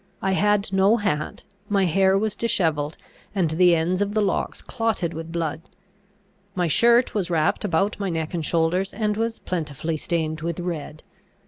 I had no hat. My hair was dishevelled, and the ends of the locks clotted with blood. My shirt was wrapped about my neck and shoulders, and was plentifully stained with red.